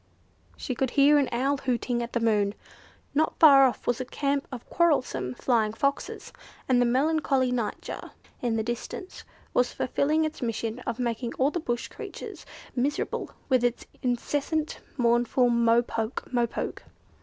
She could hear an owl hooting at the moon. Not far off was a camp of quarrelsome Flying Foxes, and the melancholy Nightjar in the distance was fulfilling its mission of making all the bush creatures miserable with its incessant, mournful "mo poke! mo poke!"